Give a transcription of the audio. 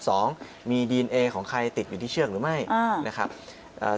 สองมีดีเอนเอของใครติดอยู่ที่เชือกหรือไม่อ่านะครับเอ่อ